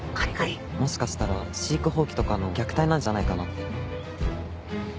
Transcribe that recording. もしかしたら飼育放棄とかの虐待なんじゃないかなって。